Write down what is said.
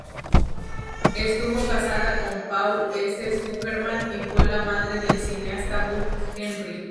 Estuvo casada con Paul S. Zuckerman, y fue la madre del cineasta Buck Henry.